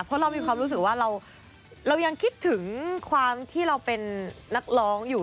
เพราะเรามีความรู้สึกว่าเรายังคิดถึงความที่เราเป็นนักร้องอยู่